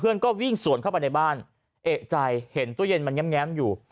เพื่อนก็วิ่งสวนเข้าไปในบ้านเอกใจเห็นตู้เย็นมันแง้มอยู่